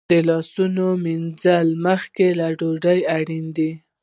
د لاسونو مینځل مخکې له ډوډۍ اړین دي.